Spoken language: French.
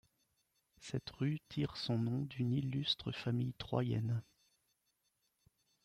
Cette rue tire son nom d'une illustre famille troyenne.